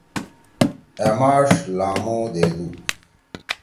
أ ماݜ لامو دیدُو۔